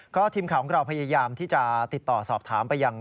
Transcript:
ก็ทีมข่าวของเราพยายามที่จะติดต่อสอบถามไปยัง